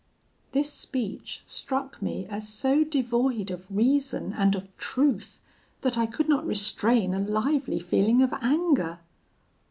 "This speech struck me as so devoid of reason and of truth, that I could not restrain a lively feeling of anger.